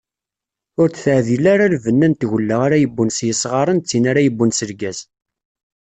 Ur d-teɛdil ara lbenna n tgella ara yewwen s yisɣaren d tin ara yewwen s lgaz.